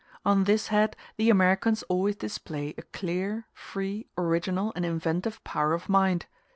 On this head the Americans always display a clear, free, original, and inventive power of mind.